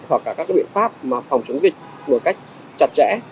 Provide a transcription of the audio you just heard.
hoặc là các biện pháp phòng chống dịch một cách chặt chẽ